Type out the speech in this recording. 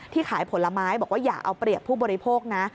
ขายผลไม้บอกว่าอย่าเอาเปรียบผู้บริโภคนะ